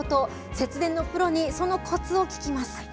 節電のプロに、そのこつを聞きます。